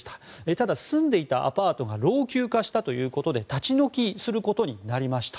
ただ、住んでいたアパートが老朽化したということで立ち退きすることになりました。